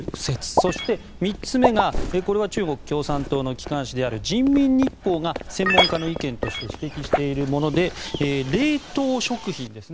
そして３つ目がこれは中国共産党の機関紙である人民日報が専門家の意見として指摘しているもので冷凍食品ですね